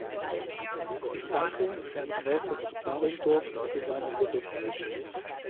Ich danke Herrn Graefe zu Baringdorf für seinen Bericht.